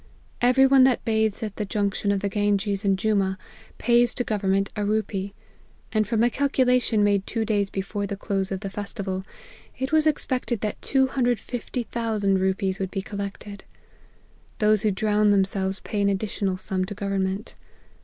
Every one that bathes at the junction of the Ganges and Jumma, pays to government a ru pee ; and from a calculation made two days before the close of the festival, it was expected that 250,000 rupees would be collected. Those who drown themselves pay an additional sum to government.